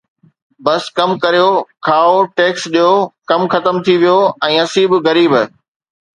بس ڪم ڪريو، کائو، ٽيڪس ڏيو، ڪم ختم ٿي ويو ۽ اسين به غريب